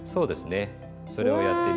それをやってみましょう。